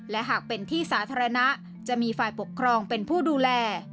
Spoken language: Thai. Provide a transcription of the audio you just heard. และหากเป็นที่สาธารณะจะมีฝ่ายปกครองเป็นผู้ดูแล